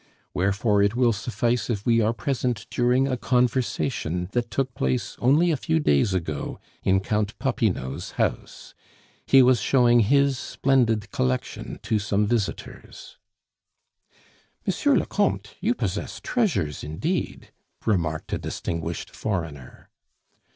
Wherefore it will suffice if we are present during a conversation that took place only a few days ago in Count Popinot's house. He was showing his splendid collection to some visitors. "M. le Comte, you possess treasures indeed," remarked a distinguished foreigner.